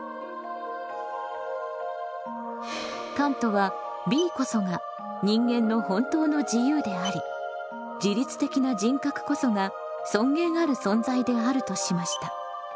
カントはＢこそが人間の本当の自由であり自律的な人格こそが尊厳ある存在であるとしました。